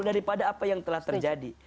daripada apa yang telah terjadi